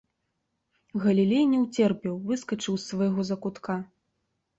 Галілей не ўцерпеў, выскачыў з свайго закутка.